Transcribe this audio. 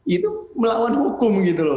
itu melawan hukum gitu loh